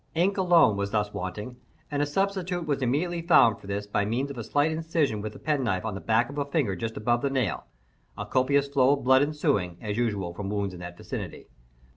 Ink alone was thus wanting, and a substitute was immediately found for this by means of a slight incision with the pen knife on the back of a finger just above the nail—a copious flow of blood ensuing, as usual, from wounds in that vicinity.